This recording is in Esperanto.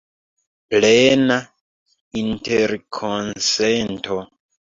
Plena interkonsento.